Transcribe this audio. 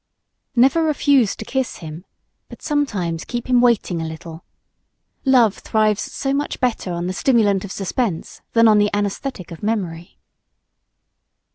Never refuse to kiss him but sometimes keep him waiting a little while. Love thrives so much better on the stimulant of suspense than on the anaesthetic of memory.